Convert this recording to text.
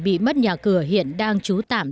bị mất nhà cửa hiện đang trú tạm